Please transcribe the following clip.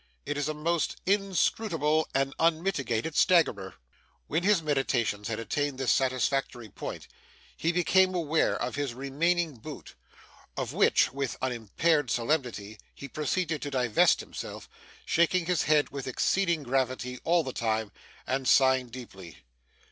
It is a most inscrutable and unmitigated staggerer!' When his meditations had attained this satisfactory point, he became aware of his remaining boot, of which, with unimpaired solemnity he proceeded to divest himself; shaking his head with exceeding gravity all the time, and sighing deeply.